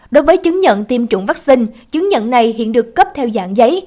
đối với chứng nhận tiêm chủng vaccine chứng nhận này hiện được cấp theo dạng giấy